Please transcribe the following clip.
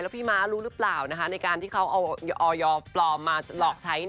พี่ม้ารู้หรือเปล่าในการที่เขาเอาออยปลอมมาหลอกใช้